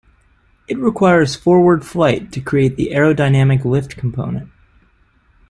It requires forward flight to create the aerodynamic lift component.